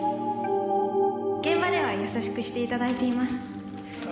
「現場では優しくして頂いています」